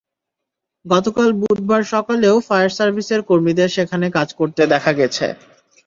গতকাল বুধবার সকালেও ফায়ার সার্ভিসের কর্মীদের সেখানে কাজ করতে দেখা গেছে।